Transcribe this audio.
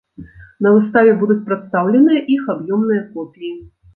На выставе будуць прадстаўленыя іх аб'ёмныя копіі.